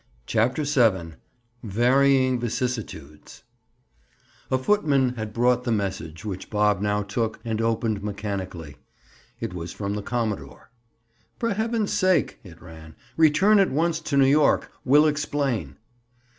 CHAPTER VII—VARYING VICISSITUDES A footman had brought the message, which Bob now took and opened mechanically. It was from the commodore. "For heaven's sake," it ran, "return at once to New York Will explain."